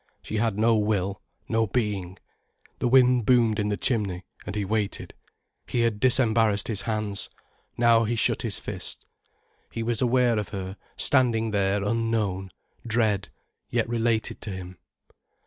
She had no will, no being. The wind boomed in the chimney, and he waited. He had disembarrassed his hands. Now he shut his fists. He was aware of her standing there unknown, dread, yet related to him.